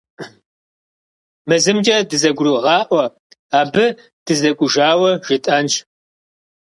Мы зымкӀэ дызэгурыгъаӀуэ: абы дызэкӀужауэ жетӀэнщ.